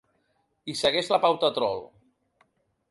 I segueix la pauta trol.